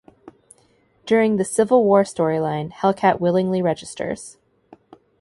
During the "Civil War" storyline, Hellcat willingly registers.